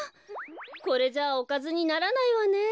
これじゃおかずにならないわね。